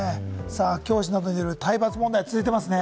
教師などによる体罰問題、続いてますね。